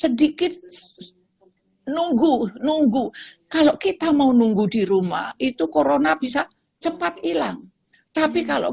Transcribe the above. sedikit nunggu nunggu kalau kita mau nunggu di rumah itu corona bisa cepat hilang tapi kalau